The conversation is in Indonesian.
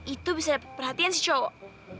itu bisa dapat perhatian si cowok